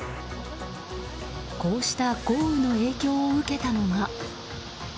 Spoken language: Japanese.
こうした豪雨の影響を受けたのが。